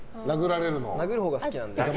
殴るほうが好きなので。